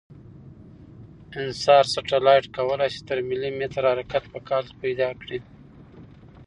انسار سټلایټ کوای شي تر ملي متر حرکت په کال کې پیدا کړي